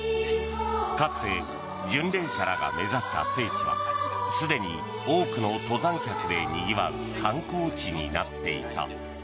かつて巡礼者らが目指した聖地はすでに多くの登山客でにぎわう観光地になっていた。